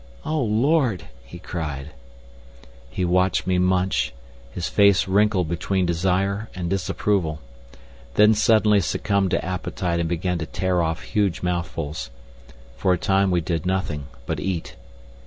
"O Lord!" he cried. He watched me munch, his face wrinkled between desire and disapproval, then suddenly succumbed to appetite and began to tear off huge mouthfuls. For a time we did nothing but eat.